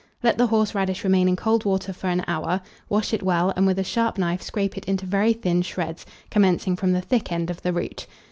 Let the horseradish remain in cold water for an hour; wash it well, and with a sharp knife scrape it into very thin shreds, commencing from the thick end of the root.